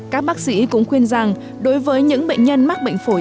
các bác sĩ cũng khuyên rằng đối với những bệnh nhân mắc bệnh phổi